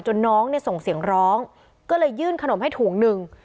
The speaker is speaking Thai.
น้องเนี่ยส่งเสียงร้องก็เลยยื่นขนมให้ถุงหนึ่ง